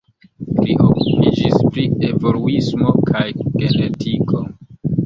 Li okupiĝis pri evoluismo kaj genetiko.